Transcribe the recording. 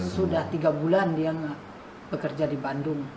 sudah tiga bulan dia bekerja di bandung